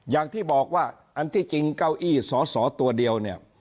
อย่างที่บอกว่าอันที่จริงเก้าอี้สอสอตัวเดียวเนี่ย